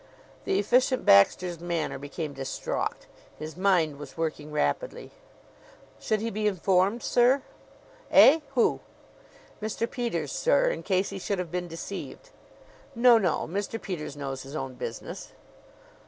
The Efficient Baxter's manner became distraught. His mind was working rapidly. "Should he be informed, sir?" "Eh! Who?" "Mr. Peters, sir in case he should have been deceived?" "No, no; Mr. Peters knows his own business."